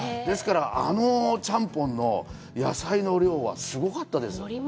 ですから、あのちゃんぽんの野菜の量はすごかったですよ。